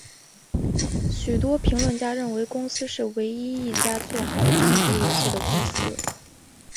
许多评论家认为公司是唯一一家做好章节游戏的公司。